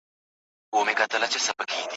تر منګوټي لاندي به سپیني اوږې وځلېدې